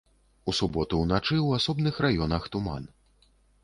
У суботу ўначы ў асобных раёнах туман.